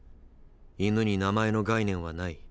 犬に名前の概念はない。